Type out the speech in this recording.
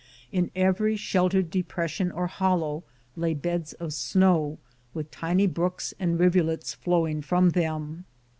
In every sheltered depression or hollow lay beds of snow with tiny brooks and rivulets flowing from them.